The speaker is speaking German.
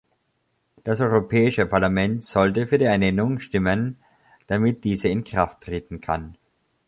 Das Europäische Parlament sollte für die Ernennung stimmen, damit diese in Kraft treten kann.